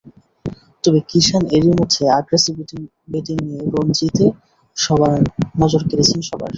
তবে কিশান এরই মধ্যে আগ্রাসী ব্যাটিং দিয়ে রঞ্জিতে নজর কেড়েছেন সবার।